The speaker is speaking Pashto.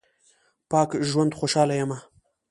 پاک ژوند کې خوشاله یم